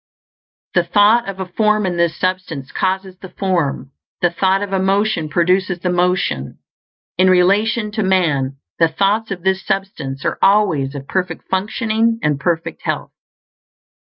_ _The thought of a form in this Substance causes the form; the thought of a motion produces the motion. In relation to man, the thoughts of this Substance are always of perfect functioning and perfect health.